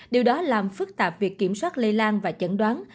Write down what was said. điều đó làm phức tạp việc kiểm soát lây lan và chẩn đoán